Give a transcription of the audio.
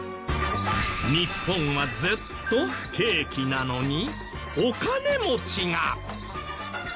日本はずっと不景気なのにお金持ちが！